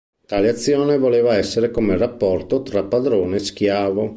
Tale azione voleva essere come il rapporto tra padrone e schiavo.